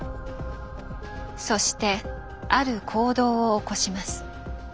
そしてある行動を起こします。